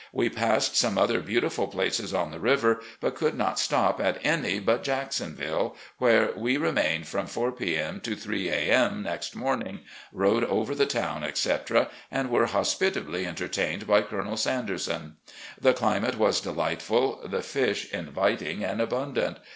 We passed some other beautiful places on the river, but could not stop at any but Jacksonville, where we remained from 4 p. m. to 3 A. M. next morning, rode over the town, etc., and were hospitably entertained by Colonel Sanderson. The climate was delightful, the fish inviting and abundant.